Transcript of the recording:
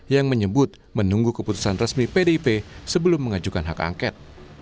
yang menyebut menunggu keputusan resmi pdip sebelum mengajukan hak angket